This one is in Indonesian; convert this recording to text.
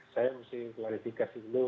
saya harus klarifikasi dulu